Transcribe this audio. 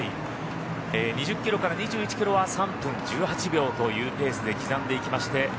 ２０キロから２１キロは３分１８秒というペースで刻んでいきまして